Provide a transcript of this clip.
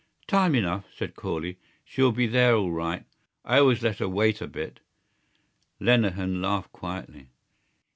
"Time enough," said Corley. "She'll be there all right. I always let her wait a bit." Lenehan laughed quietly.